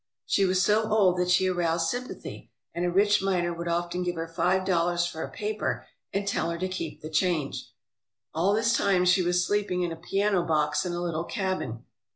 She was so old that she aroused sympathy, and a rich miner would often give her five dollars for a paper and tell her to keep the change. All this time she was sleeping in a piano box in a little cabin.